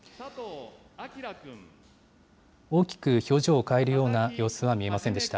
大きく表情を変えるような様子は見えませんでした。